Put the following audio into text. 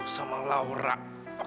kau mau ngapain